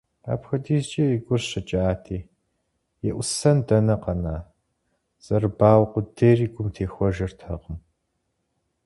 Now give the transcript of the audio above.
Апхуэдизкӏэ и гур щыкӏати, еӏусэн дэнэ къэна, зэрыбауэ къудейр и гум техуэжыртэкъм.